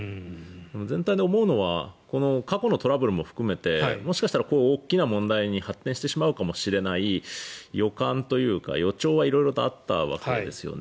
全体で思うのは過去のトラブルも含めてもしかしたら大きな問題に発展してしまうかもしれない予感というか予兆は色々とあったわけですよね。